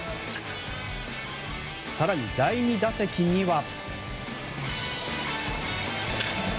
更に第２打席には。